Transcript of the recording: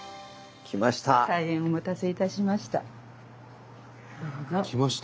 大変お待たせいたしました。